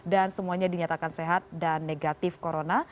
dan semuanya dinyatakan sehat dan negatif corona